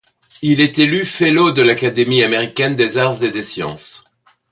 Il est élu fellow de l'Académie américaine des arts et des sciences.